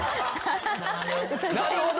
なるほど。